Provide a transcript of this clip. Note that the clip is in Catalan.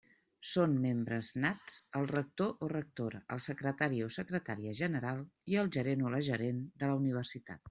Són membres nats el rector o rectora, el secretari o secretària general i el gerent o la gerent de la Universitat.